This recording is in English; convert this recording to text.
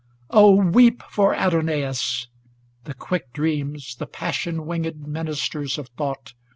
IX Oh, weep for Adonais ! ŌĆö The quick Dreams, The passion winged ministers of thought.